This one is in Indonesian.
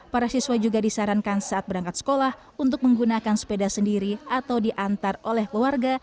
para siswa juga disarankan saat berangkat sekolah untuk menggunakan sepeda sendiri atau diantar oleh keluarga